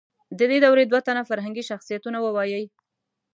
د دې دورې دوه تنه فرهنګي شخصیتونه ووایئ.